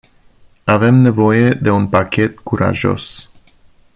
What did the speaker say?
Avem nevoie de un pachet curajos.